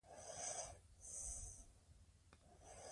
جنرالان له یو بل سره په مخالفت کې وو.